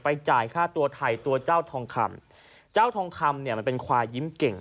จ่ายค่าตัวไทยตัวเจ้าทองคำเจ้าทองคำเนี่ยมันเป็นควายยิ้มเก่ง